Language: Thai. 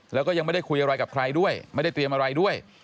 แล้วก็ยังไม่ได้คุยอะไรกับใครด้วยไม่ได้เตรียมอะไรด้วย